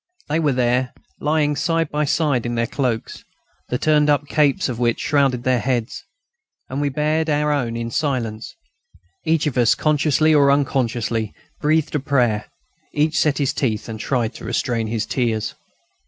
They were there, lying side by side in their cloaks, the turned up capes of which shrouded their heads, and we bared our own in silence. Each of us, consciously or unconsciously, breathed a prayer, each set his teeth and tried to restrain his tears.